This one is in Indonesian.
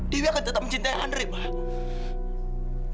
dewi akan tetap mencintai andri mak